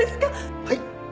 はい？